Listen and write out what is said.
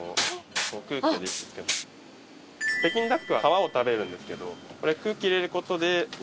北京ダックは皮を食べるんですけど。